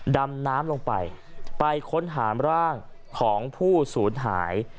ดำน้ำลงไปไปค้นหามร่างของผู้ศูนย์หาย